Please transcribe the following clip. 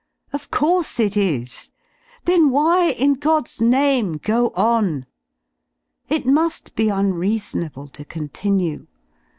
Of course it is. Then why, in God's name, go on? f It mu^ be unreasonable to continue.